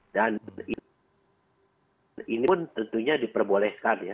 dan ini pun tentunya diperbolehkan ya